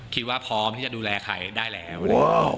คิดว่าพร้อมที่จะดูแลใครได้แล้ว